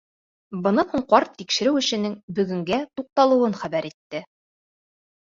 Бына һуң ҡарт тикшереү эшенең бөгөнгә туҡталыуын хәбәр итте: